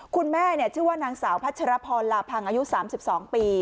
คุณแม่ชื่อว่านางสาวพัชรพรลาพังอายุ๓๒ปี